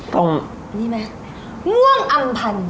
ต้องนี่ไหมม่วงอัมพันธ์